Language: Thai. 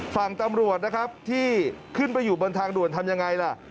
ฝั่งตำรวจนะครับที่ขึ้นไปอยู่บนทางด่วนทำยังไงล่ะ